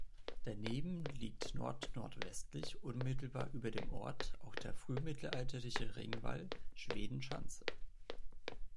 Daneben liegt nordnordwestlich unmittelbar über dem Ort auch der frühmittelalterliche Ringwall Schwedenschanze.